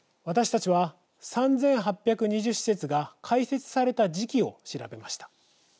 私たちは、３８２０施設が開設された時期を調べました。